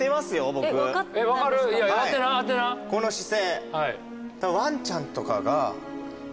この姿勢。